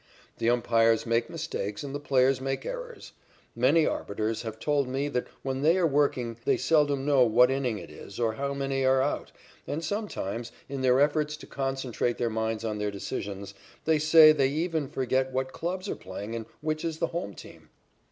The umpires make mistakes and the players make errors. Many arbiters have told me that when they are working they seldom know what inning it is or how many are out, and sometimes, in their efforts to concentrate their minds on their decisions, they say they even forget what clubs are playing and which is the home team.